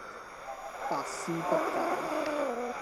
百思不解